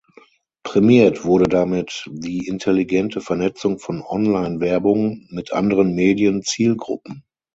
Prämiert wurde damit die intelligente Vernetzung von Online-Werbung mit anderen Medien Zielgruppen.